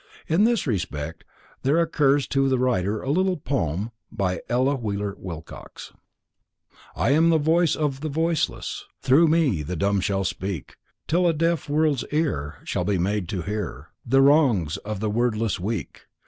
In this respect there occurs to the writer a little poem by Ella Wheeler Wilcox: "I am the voice of the voiceless; Through me the dumb shall speak, Till a deaf world's ear Shall be made to hear The wrongs of the wordless weak.